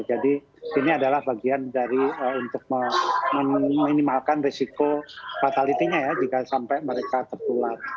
ini adalah bagian dari untuk meminimalkan risiko fatality nya ya jika sampai mereka tertular